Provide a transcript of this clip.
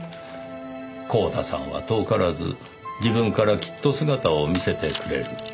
光田さんは遠からず自分からきっと姿を見せてくれる。